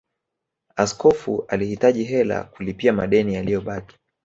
Askofu alihitaji hela kulipia madeni yaliyobaki